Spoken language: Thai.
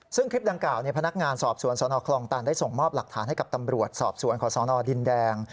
ซึ่งคลิปดังกล่าวพนักงานสอบสวนสนคลองตันได้ส่งมอบหลักฐานให้กับตำรวจสอบสวนของสนดินแดง